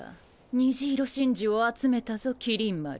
虹色真珠を集めたぞ麒麟丸。